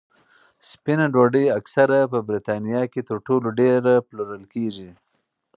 سپینه ډوډۍ اکثره په بریتانیا کې تر ټولو ډېره پلورل کېږي.